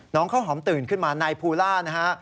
น้องเข้าหอมตื่นขึ้นมานายพูล่านะฮะ